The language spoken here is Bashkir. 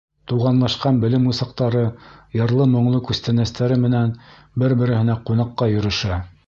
Туғанлашҡан белем усаҡтары йырлы-моңло күстәнәстәре менән бер-береһенә ҡунаҡҡа йөрөшә.